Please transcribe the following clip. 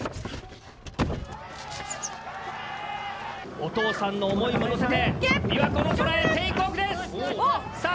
お父さんの想いものせて琵琶湖の空へテイクオフです！さあ！